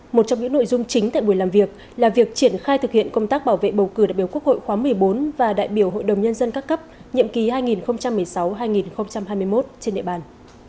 một trong những nội dung chính tại buổi làm việc là việc triển khai thực hiện công tác bảo vệ bầu cử đại biểu quốc hội khóa một mươi bốn và đại biểu hội đồng nhân dân các cấp nhiệm ký hai nghìn một mươi sáu hai nghìn hai mươi một trên địa bàn